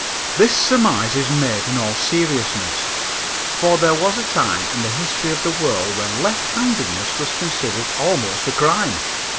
This surmise is made in all seriousness, for there was a time in the history of the world when lefthandedness was considered almost a crime.